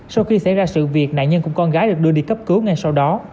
sau khi xảy ra sự việc nạn nhân cùng con gái được đưa đi cấp cứu ngay sau đó